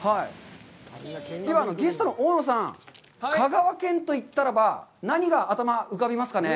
では、ゲストの大野さん、香川県といったらば、何が頭に浮かびますかね。